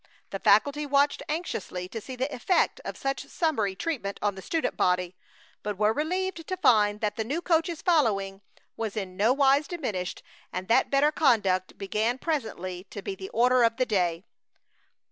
The faculty watched anxiously to see the effect of such summary treatment on the student body, but were relieved to find that the new coach's following was in no wise diminished, and that better conduct began presently to be the order of the day.